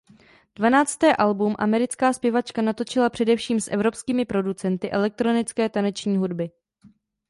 Dvanácté album americká zpěvačka natočila především s evropskými producenty elektronické taneční hudby.